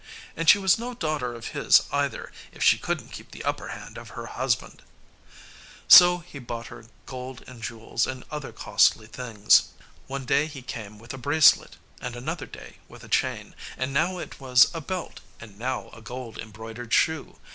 And she was no daughter of his either, if she couldn't keep the upper hand of her husband. So he bought her gold and jewels, and other costly things. One day he came with a bracelet, and another day with a chain; and now it was a belt, and now a gold embroidered shoe.